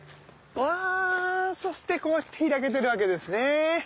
うわそしてこうやって開けてるわけですね。